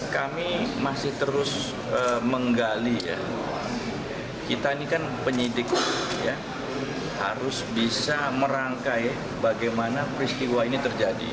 kita ini kan penyidik harus bisa merangkai bagaimana peristiwa ini terjadi